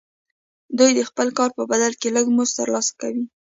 دوی د خپل کار په بدل کې لږ مزد ترلاسه کوي